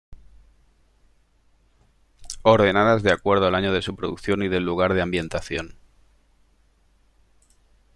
Ordenadas de acuerdo al año de su producción y del lugar de ambientación.